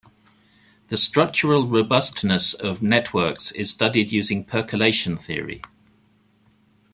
The structural robustness of networks is studied using percolation theory.